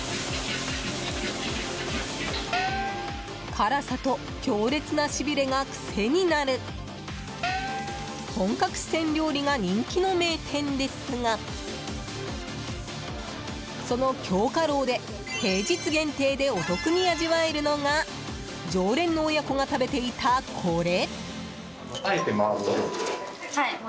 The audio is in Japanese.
辛さと強烈なしびれがクセになる本格四川料理が人気の名店ですがその京華樓で平日限定でお得に味わえるのが常連の親子が食べていた、これ。